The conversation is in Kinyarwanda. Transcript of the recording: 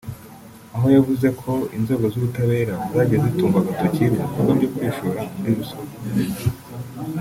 aho yavuze ko inzego z’ubutabera zagiye zitungwa agatoki mu bikorwa byo kwishora muri ruswa